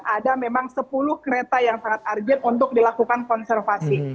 ada memang sepuluh kereta yang sangat urgent untuk dilakukan konservasi